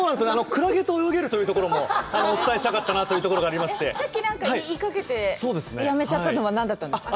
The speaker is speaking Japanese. クラゲと泳げるというところもお伝えしたかったなというところがありましてさっき何か言いかけてやめちゃったのは何だったんですか？